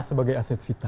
sebagai aset vital